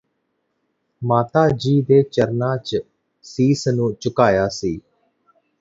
ਮਾਤਾ ਜੀ ਦੇ ਚਰਨਾਂ ਚ ਸੀਸ ਨੂੰ ਝੁਕਾਇਆ ਸੀ